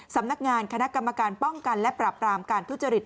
สำนักงานคณะกรรมการป้องกันและปรับรามการทุจริต